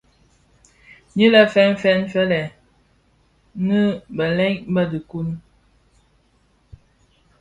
Yin lè fèn fèn fëlë nnë bëlëg bi dhikuu.